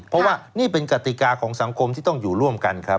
เพราะว่านี่เป็นกติกาของสังคมที่ต้องอยู่ร่วมกันครับ